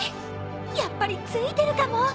やっぱりついてるかも。